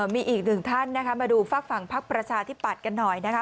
มีอีกหนึ่งท่านนะคะมาดูฝั่งภาคประชาที่ปัดกันหน่อยนะคะ